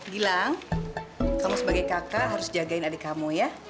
gilang kamu sebagai kakak harus jagain adik kamu ya